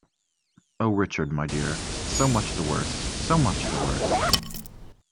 Oh, Richard, my dear, so much the worse, so much the worse!